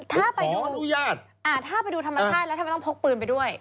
ถ้าไปดูอนุญาตถ้าไปดูธรรมชาติแล้วทำไมต้องพกปืนไปด้วย